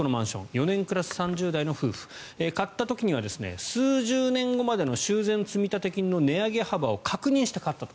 ４年暮らす３０代の夫婦買った時は数十年後までの修繕積立金の値上げ幅を確認して買ったと。